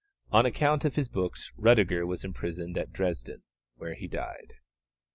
On account of his books Rüdiger was imprisoned at Dresden, where he died.